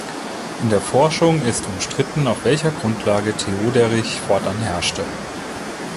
In der Forschung ist umstritten, auf welcher Grundlage Theoderich fortan herrschte.